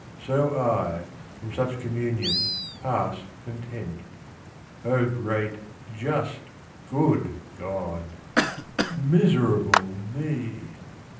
So I, from such communion, pass content ... O great, just, good God ! Miserable me